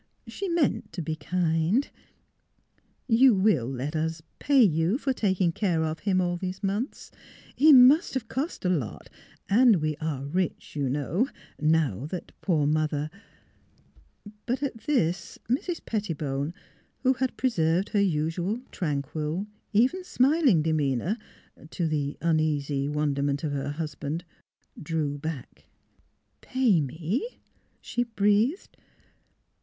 She meant to be kind. ... You will let us — pay you for taking care of him all these months? He must have cost a lot; and we are rich, you know, now that poor mother " But at this, Mrs. Pettibone, who had preserved her usual tranquil, even smiling, demeanour — to the uneasy wonderment of her husband — drew back. t 352 THE HEAET OF PHILUEA " Pay me? " slie breathed.